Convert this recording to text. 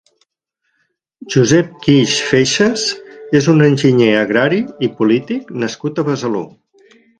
Josep Guix Feixas és un enginyer agrari i polític nascut a Besalú.